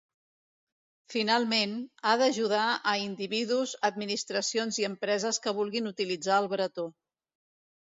Finalment, ha d'ajudar a individus, administracions i empreses que vulguin utilitzar el bretó.